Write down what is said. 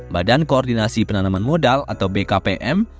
badan koordinasi penanaman modal atau bkpm